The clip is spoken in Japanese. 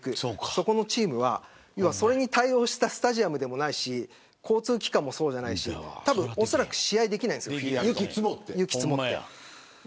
そこのチームはそれに対応したスタジアムでもないし交通機関もそうでもないしおそらく試合ができません雪が積もって。